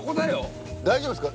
大丈夫ですか？